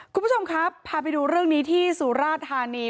คุณผู้ชมครับพาไปดูเรื่องนี้ที่สุราธานี